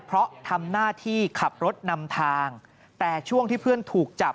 เพราะทำหน้าที่ขับรถนำทางแต่ช่วงที่เพื่อนถูกจับ